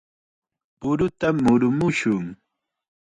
¡Puruta murumushun!